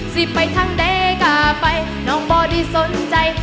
สิบไปทั้งเดก่าไปน้องป่าวดิสนใจ